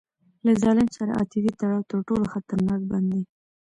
له ظالم سره عاطفي تړاو تر ټولو خطرناک بند دی.